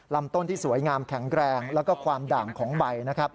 ลำต้นที่สวยงามแข็งแรงแล้วก็ความด่างของใบนะครับ